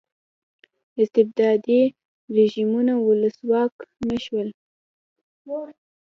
استبدادي رژیمونو ولسواک نه شول.